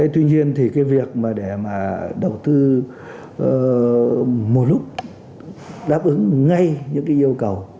tuy nhiên thì cái việc mà để mà đầu tư một lúc đáp ứng ngay những cái yêu cầu